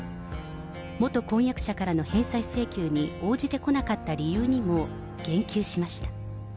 元婚約者からの返済請求に応じてこなかった理由にも言及しました。